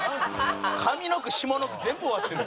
上の句下の句全部終わってる。